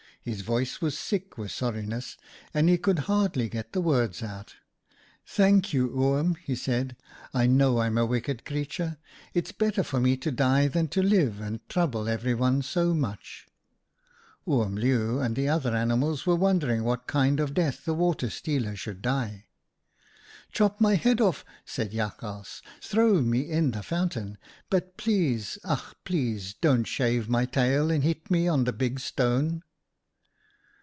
His voice was thick with sorriness, and he could hardly get the words out. M< Thank you, Oom,' he said. 'I know I'm a wicked creature. It's better for me to die than to live and trouble everyone so much.' " Oom Leeuw and the other animals were 106 OUTA KAREL'S STORIES wondering what kind of death the Water stealer should die. "■ Chop my head off,' said Jakhals ;* throw me in the fountain, but please, ach! please don't shave my tail and hit me on the big stone.'